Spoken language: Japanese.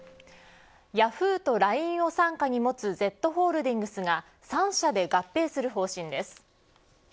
ヤフーとＬＩＮＥを傘下に持つＺホールディングスが３社で合併する方針です。